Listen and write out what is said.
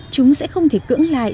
chúng sẽ không thể cưỡng lại